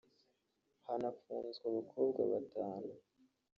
hanafunzwe abakobwa batanu